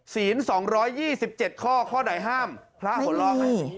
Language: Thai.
ศีล๒๒๗ข้อข้อใดห้ามพระหลอก